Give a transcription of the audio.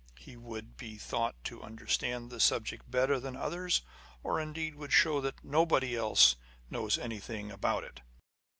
He would be thought to understand the subject better than others, or indeed would show that nobody else knows anything about it.